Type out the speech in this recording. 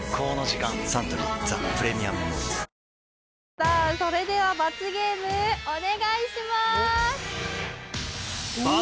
さあそれでは罰ゲームお願いします！